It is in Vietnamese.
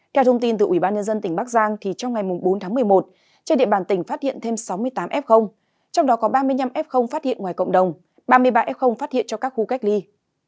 theo thông tin từ ubnd tỉnh bắc giang trong ngày bốn một mươi một trên địa bàn tỉnh phát hiện thêm sáu mươi tám f trong đó có ba mươi năm f phát hiện ngoài cộng đồng ba mươi ba f phát hiện cho các khu cách ly